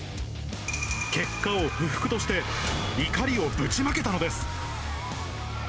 結果を不服として、怒りをぶちまけたのです。